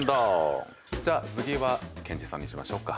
じゃあ次はケンチさんにしましょうか。